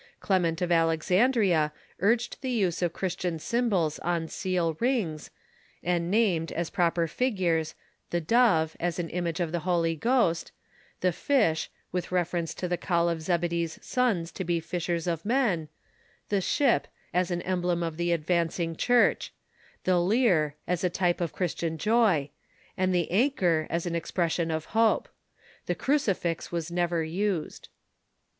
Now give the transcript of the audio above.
Clement of Alexandria urged the use of Christian symbols on seal rings, and named, as proper figures, the dove, as an image of the Holy Ghost; the fish, with reference to the call of Zebedee's sons to be fishers of men ; the ship, as an emblem of the advancing Church ; the lyre, as the type of Christian joy ; and the anchor, as an expi*ession of hope. The crucifix was never used.